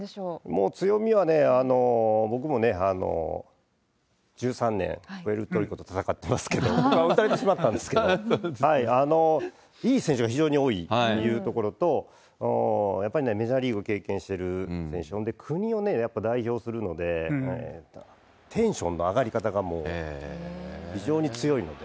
もう強みはね、僕も１３年、プエルトリコと戦ってますけど、打たれてしまったんですけれども、いい選手が非常に多いというところと、やっぱりね、メジャーリーグ経験してる選手、そして国をやっぱり代表するので、テンションの上がり方がもう非常に強いので。